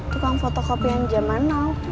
tukang fotokopian jaman now